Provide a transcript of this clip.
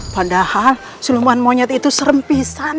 padahal selumuan monyet itu serempisan